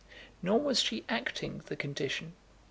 Nor was she acting the condition.